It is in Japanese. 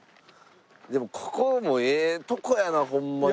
でもここもええとこやなホンマに。